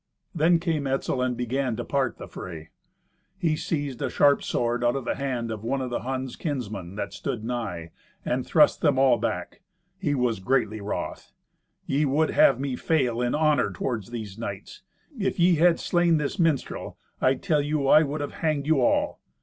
Then came Etzel and began to part the fray. He seized a sharp sword out of the hand of one of the Hun's kinsmen that stood nigh, and thrust them all back. He was greatly wroth, "Ye would have me fail in honour toward these knights! If ye had slain this minstrel, I tell you I would have hanged you all.